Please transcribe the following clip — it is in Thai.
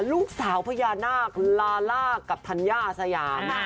ลูกสาวพญานาคคุณลาล่ากับธัญญาสยาม